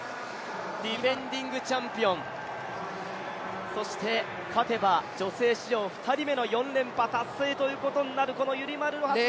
ディフェンディングチャンピオン、そして勝てば女性史上２人目の４連覇達成ということになるユリマル・ロハス。